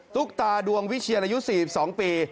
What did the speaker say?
ตุ๊กตาดวงวิเชียนอายุ๔๒ปี